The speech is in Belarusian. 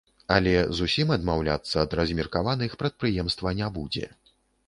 Але зусім адмаўляцца ад размеркаваных прадпрыемства не будзе.